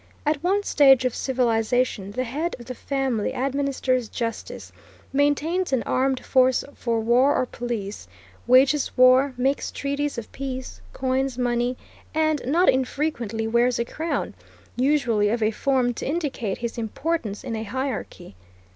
At one stage of civilization the head of the family administers justice, maintains an armed force for war or police, wages war, makes treaties of peace, coins money, and, not infrequently, wears a crown, usually of a form to indicate his importance in a hierarchy.